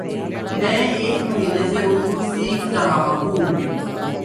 میں ایک مہینہ سے اردو سیکھرہاہوں